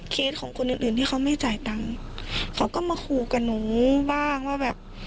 ของคนอื่นอื่นที่เขาไม่จ่ายตังค์เขาก็มาขู่กับหนูบ้างว่าแบบ